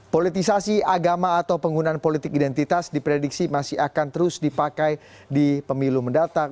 politisasi agama atau penggunaan politik identitas diprediksi masih akan terus dipakai di pemilu mendatang